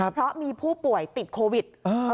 เพราะมีผู้ป่วยติดโควิด